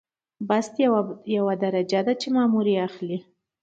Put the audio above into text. بست یوه درجه ده چې مامور یې اخلي.